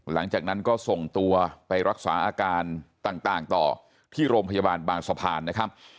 หลังจากนั้นก็ส่งตัวไปรักษาอาการต่างต่อที่โรงพยาบาลบางสะพานนะครับ